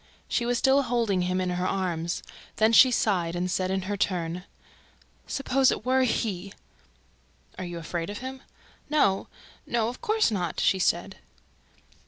She was still holding him in her arms. Then she sighed and said, in her turn: "Suppose it were HE!" "Are you afraid of him?" "No, no, of course not," she said.